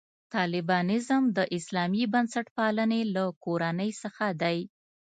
طالبانیزم د اسلامي بنسټپالنې له کورنۍ څخه دی.